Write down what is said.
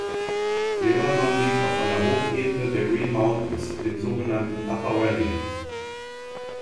Lebanon liegt auf einer Hochebene der Green Mountains, dem sogenannten "Upper Valley".